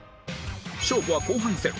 勝負は後半戦